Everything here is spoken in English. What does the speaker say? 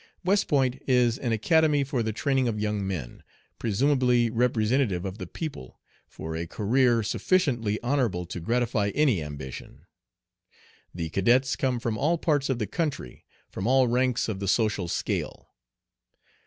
West Point is an academy for the training of young men, presumably representative of the people, for a career sufficiently honorable to gratify any ambition. The cadets come from all parts of the country, from all ranks of the social scale.